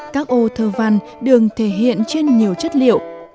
các ô thơ văn được thể hiện trên nhiều chất liệu